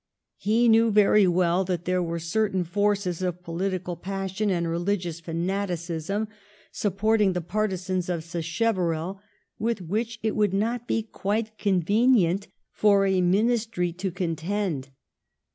He knew very well that there were certain forces of political passion and religious fanaticism supporting the partisans of Sacheverell, with which it would not be quite convenient for a Ministry to con tend.